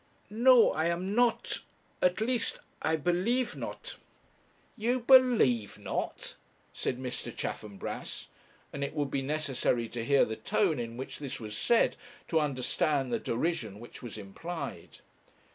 'No, I am not. At least, I believe not.' 'You believe not!' said Mr. Chaffanbrass and it would be necessary to hear the tone in which this was said to understand the derision which was implied.